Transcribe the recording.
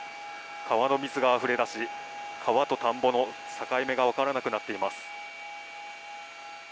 川の水があふれ出し川と田んぼの境目が分からなくなっています。